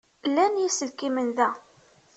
Llan yiselkimen da.